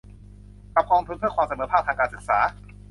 กับกองทุนเพื่อความเสมอภาคทางการศึกษา